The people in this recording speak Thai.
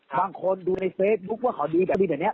บางคนดูในเฟซบุ๊คว่าเขาดีแบบนี้